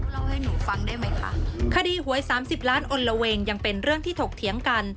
เล่าให้หนูฟังได้ไหมคะคดีหวยสามสิบล้านอนละเวงยังเป็นเรื่องที่ถกเถียงกัน